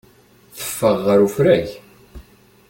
Teffeɣ ɣer ufrag.